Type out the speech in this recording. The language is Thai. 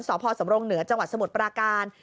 สพสำรงเหนือจังหวัดสมุทรปราการ